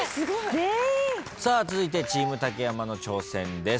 続いてチーム竹山の挑戦です。